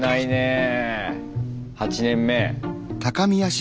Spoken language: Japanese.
８年目。